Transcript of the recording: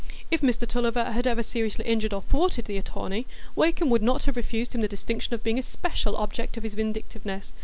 If Mr Tulliver had ever seriously injured or thwarted the attorney, Wakem would not have refused him the distinction of being a special object of his vindictiveness.